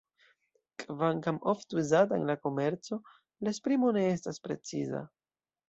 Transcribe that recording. Kvankam ofte uzata en la komerco la esprimo ne estas preciza.